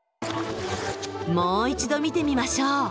もう一度見てみましょう！